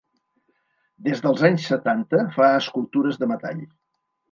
Des dels anys setanta, fa escultures de metall.